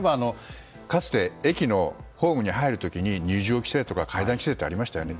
かつて駅のホームに入る時に入場規制とかありましたよね。